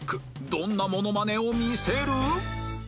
どんなモノマネを見せる？